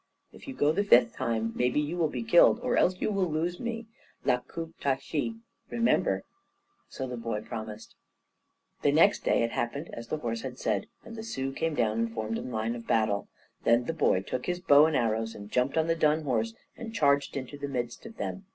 If you go the fifth time, maybe you will be killed, or else you will lose me. La ku' ta chix remember." So the boy promised. The next day it happened as the horse had said, and the Sioux came down and formed in line of battle. Then the boy took his bow and arrows, and jumped on the dun horse, and charged into the midst of them.